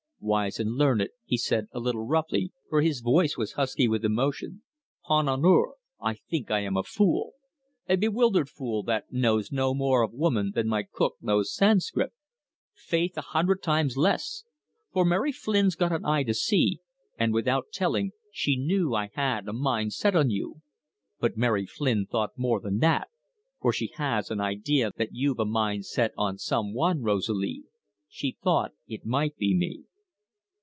"Wise and learned!" he said, a little roughly, for his voice was husky with emotion. "'Pon honour, I think I am a fool! A bewildered fool, that knows no more of woman than my cook knows Sanscrit. Faith, a hundred times less! For Mary Flynn's got an eye to see, and, without telling, she knew I had a mind set on you. But Mary Flynn thought more than that, for she has an idea that you've a mind set on some one, Rosalie. She thought it might be me."